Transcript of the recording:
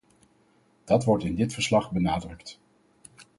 Dat wordt in dit verslag benadrukt.